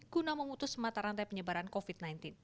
guna memutus mata rantai penyebaran covid sembilan belas